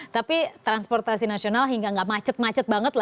tapi transportasi nasional hingga gak macet macet banget